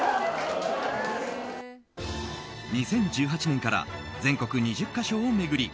２０１８年から全国２０か所を巡り